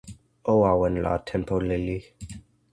o awen lon tenpo lili.